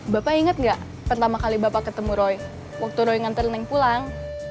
bapak ingat nggak pertama kali bapak ketemu roy waktu roy ngantaring pulang